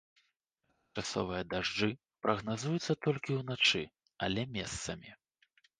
Кароткачасовыя дажджы прагназуюцца толькі ўначы, але месцамі.